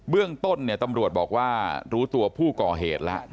เรื่องต้นตำรวจบอกว่ารู้ตัวผู้ก่อเหตุแล้ว